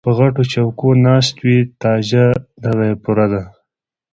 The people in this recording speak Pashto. پۀ غټو چوکــــو ناست وي تاجه دغه یې پوره ده